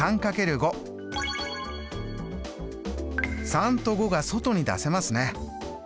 ３と５が外に出せますね。